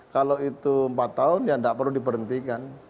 kalau itu empat tahun ya tidak perlu diberhentikan